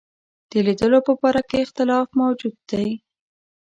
د لیدلو په باره کې اختلاف موجود دی.